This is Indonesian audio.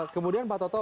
kemudian pak toto